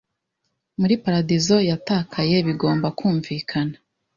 muri paradizo yatakaye bigomba kumvikana